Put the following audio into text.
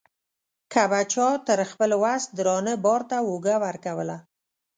که به چا تر خپل وس درانه بار ته اوږه ورکوله.